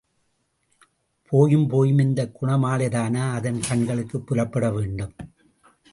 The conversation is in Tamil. போயும் போயும் இந்தக் குணமாலைதானா அதன் கண்களுக்குப் புலப்படவேண்டும்.